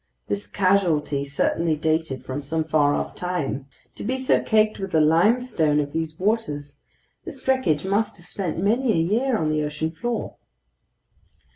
This casualty certainly dated from some far off time. To be so caked with the limestone of these waters, this wreckage must have spent many a year on the ocean floor.